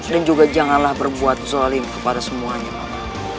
dan juga janganlah berbuat zolim kepada semuanya paman